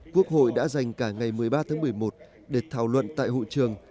quốc hội đã dành cả ngày một mươi ba tháng một mươi một để thảo luận tại hội trường